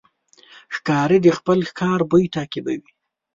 ښکاري د خپل ښکار بوی تعقیبوي.